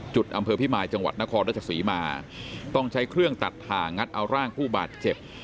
อำเภอพิมายจังหวัดนครราชศรีมาต้องใช้เครื่องตัดถ่างัดเอาร่างผู้บาดเจ็บ